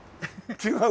違う？